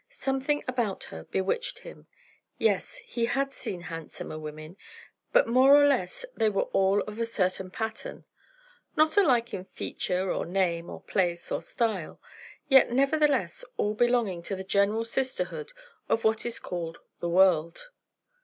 Something about her bewitched him. Yes, he had seen handsomer women; but more or less they were all of a certain pattern; not alike in feature, or name, or place, or style, yet nevertheless all belonging to the general sisterhood of what is called the world.